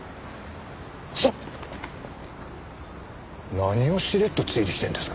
何をしれっとついてきてるんですか？